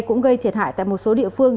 cũng gây thiệt hại tại một số địa phương